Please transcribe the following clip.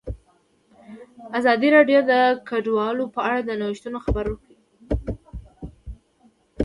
ازادي راډیو د کډوال په اړه د نوښتونو خبر ورکړی.